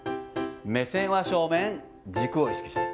目線は正面、軸を意識して。